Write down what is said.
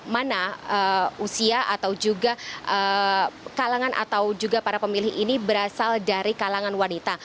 mana usia atau juga kalangan atau juga para pemilih ini berasal dari kalangan wanita